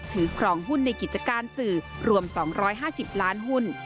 ครองหุ้นในกิจการสื่อรวม๒๕๐ล้านหุ้น